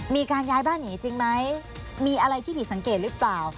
มีการย้ายบ้านหนีจริงไหมมีอะไรที่ผิดสังเกตหรือเปล่า